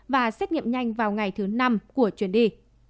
và xét nghiệm nhanh vào ngày thứ năm của chuyến đi